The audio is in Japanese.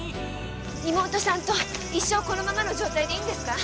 妹さんと一生このままの状態でいいんですか？